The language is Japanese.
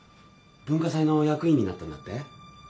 文化祭の役員になったんだって？